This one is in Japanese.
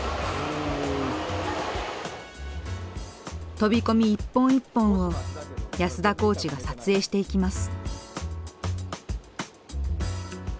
飛び込み一本一本を安田コーチが撮影していきます。